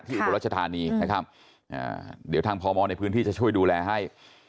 อุบลรัชธานีนะครับเดี๋ยวทางพมในพื้นที่จะช่วยดูแลให้